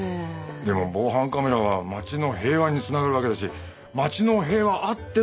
でも防犯カメラは町の平和に繋がるわけだし町の平和あっての国の平和。